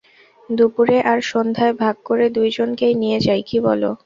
দুপরে আর সন্ধ্যায় ভাগ করে দুইজনকেই নিয়ে যাই কি বলো?